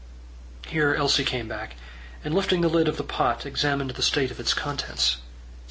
Here Elsie came back, and lifting the lid of the pot, examined the state of its contents.